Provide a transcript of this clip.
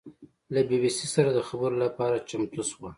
له بي بي سي سره د خبرو لپاره چمتو شوه.